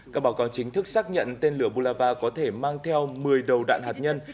các báo cáo chính thức xác nhận tên lửa bulava có thể mang theo một mươi đầu đạn hạt nhân